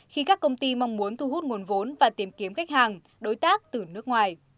khi các công ty mong muốn thu hút nguồn vốn và tìm kiếm khách hàng đối tác từ nước ngoài